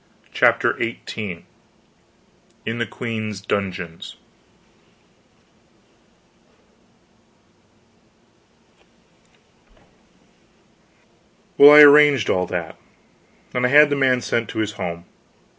CHAPTER XVIII IN THE QUEEN'S DUNGEONS Well, I arranged all that; and I had the man sent to his home.